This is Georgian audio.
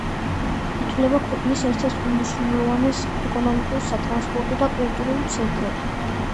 ითვლება ქვეყნის ერთ-ერთ უმნიშვნელოვანეს ეკონომიკურ, სატრანსპორტო და კულტურულ ცენტრად.